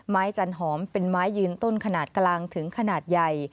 จันหอมเป็นไม้ยืนต้นขนาดกลางถึงขนาดใหญ่